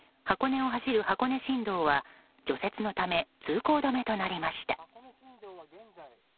箱根を走る箱根新道は除雪のため通行止めとなりました。